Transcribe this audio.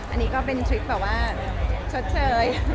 อันนี้ก็เป็นทริคแบบว่าชดเชย